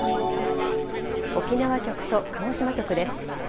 沖縄局と鹿児島局です。